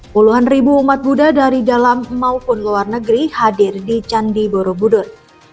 puluhan ribu umat buddha dari dalam maupun luar negeri hadir di candi borobudur